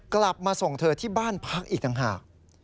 กลับมาส่งเธอที่บ้านพักอีกต่างหาก